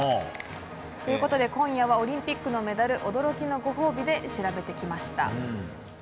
ということで今夜はオリンピックのメダル驚きのご褒美で調べてきました。